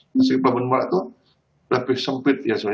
maksudnya pelabuhan merak itu lebih sempit ya sebenarnya